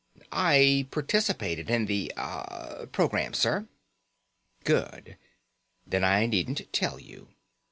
"I participated in the uh, program, sir." "Good. Then I needn't tell you.